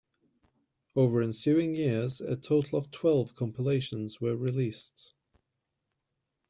Over ensuing years, a total of twelve compilations were released.